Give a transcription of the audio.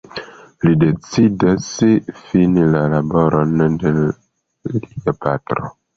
Li decidas fini la laboron de lia patro.